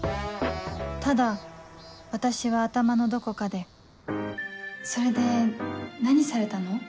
ただ私は頭のどこかでそれで何されたの？